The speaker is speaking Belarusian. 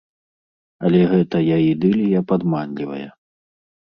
Але гэтая ідылія падманлівая.